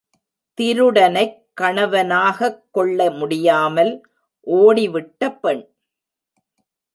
திருடனைக் கணவனாகக்கொள்ள முடியாமல் ஓடிவிட்ட பெண்!